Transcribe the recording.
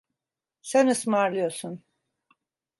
Sen ısmarlıyorsun.